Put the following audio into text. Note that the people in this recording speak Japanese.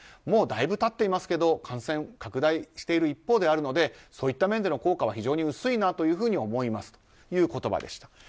もうだいぶ経っていますけど感染拡大している一方であるのでそういった面での効果は非常に薄いなという言葉でした。